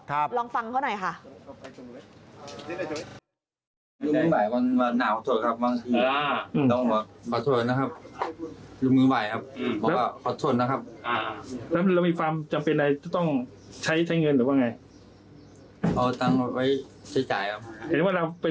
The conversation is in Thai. ลองฟังเขาหน่อยค่ะ